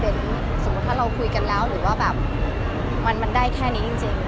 ที่เป็นสมมติว่าถ้าเราคุยกันแล้วหรือว่ามันได้แค่นี้จริง